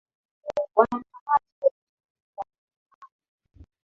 Wanakamati walikusanyika kwenye kambi